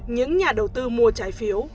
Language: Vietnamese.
những nhà đầu tư mua trái phiếu